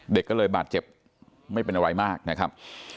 เด็กก็เลยบาดเจ็บไม่เป็นอะไรมากนะครับ